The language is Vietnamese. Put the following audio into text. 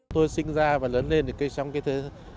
tôi sinh ra và lớn lên thì trong cái thế